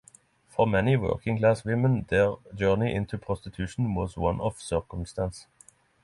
For many working class women their journey into prostitution was one of circumstance.